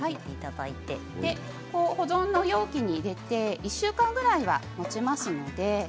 保存容器に入れて１週間ぐらいはもちます。